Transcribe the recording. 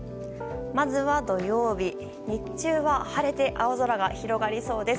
まずは土曜日、日中は晴れて青空が広がりそうです。